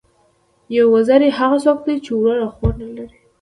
یو وزری، هغه څوک دئ، چي ورور او خور نه لري.